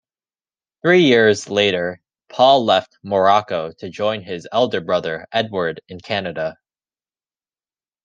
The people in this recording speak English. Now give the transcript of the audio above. Three years later Paul left Morocco to join his elder brother Edward in Canada.